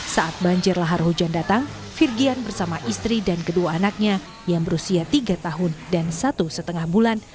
saat banjir lahar hujan datang firgian bersama istri dan kedua anaknya yang berusia tiga tahun dan satu setengah bulan